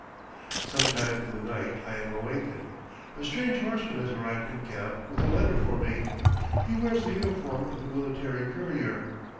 Some time in the night I am awakened. A strange horseman has arrived in camp with a letter for me. He wears the uniform of a military courier.